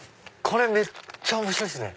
これめっちゃ面白いっすね！